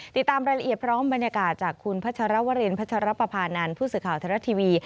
ติดตามรายละเอียดพร้อมบรรยากาศจากคุณพวเรนพปนนผู้สื่อข่าวทรัฐทีวี